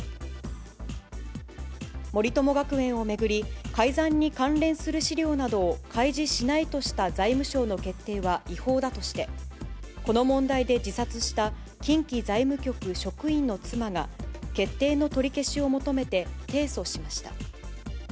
森友学園を巡り、改ざんに関連する資料などを開示しないとした財務省の決定は違法だとして、この問題で自殺した近畿財務局職員の妻が、決定の取り消しを求めて提訴しました。